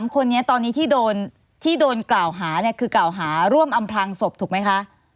๓คนนี้ตอนนี้ที่โดนกล่าวหาเนี่ยคือกล่าวหาร่วมอำพลังศพถูกไหมคะ